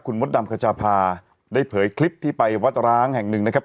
มดดำขชาพาได้เผยคลิปที่ไปวัดร้างแห่งหนึ่งนะครับ